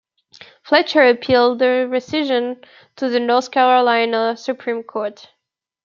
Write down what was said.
Fletcher appealed the recision to the North Carolina Supreme Court.